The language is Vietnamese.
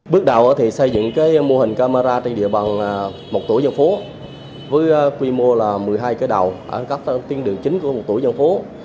bước đầu thì xây dựng cái mô hình camera trên địa bằng một tủi dân phố với quy mô là một mươi hai cái đầu ở góc tiên đường chính của một tủi dân phố